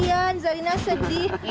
aduh kasian zarina sedih